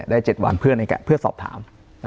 ได้๗วันเพื่อนในแกะเพื่อสอบถาม